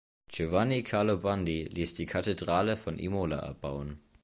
Giovanni Carlo Bandi ließ die Kathedrale von Imola erbauen.